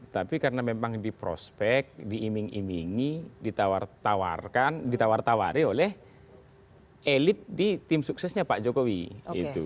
tapi karena memang diprospek diiming imingi ditawarkan ditawar tawari oleh elit di tim suksesnya pak jokowi gitu